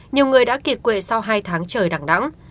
nhiều người đã kiệt quệ sau hai tháng trời đàng đẳng